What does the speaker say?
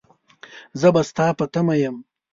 زه به ستا په تمه يم.